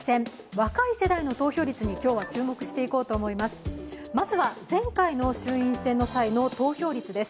若い世代の投票率に今日は注目していこうと思います。